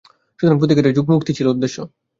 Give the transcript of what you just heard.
সুতরাং প্রতি ক্ষেত্রে মুক্তিই ছিল উদ্দেশ্য।